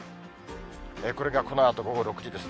これがこのあと午後６時です。